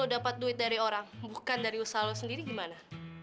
lo dapat duit dari orang bukan dari usaha lo sendiri gimana